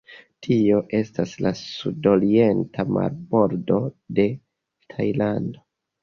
Tio estas la sudorienta marbordo de Tajlando.